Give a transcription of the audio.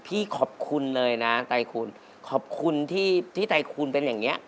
พี่ขอบคุณเลยนะไตรคุณขอบคุณที่ที่ไตคูณเป็นอย่างนี้